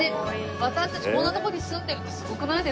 私たちこんなとこに住んでるってすごくないですか？